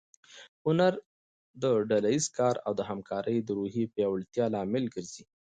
هنر د ډله ییز کار او د همکارۍ د روحیې د پیاوړتیا لامل ګرځي.